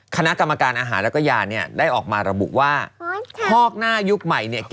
คณะกรรมการอาหารและยาเนี่ยได้ออกมาระบุว่าพอกหน้ายุคใหม่เนี่ย